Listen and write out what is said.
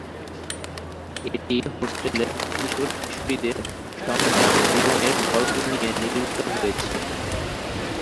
এটি হোস্টেলের কিশোর-কিশোরীদের সংগ্রামী জীবনের গল্প নিয়ে নির্মিত হয়েছে।